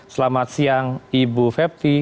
selamat siang ibu fepti